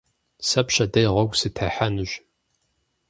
Сэ пщэдей гъуэгу сытехьэнущ.